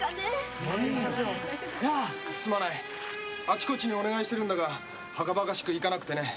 あちこちにお願いしているんだがはかばかしく行かなくてね。